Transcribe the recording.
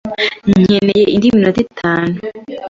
Nkeneye indi minota itanu.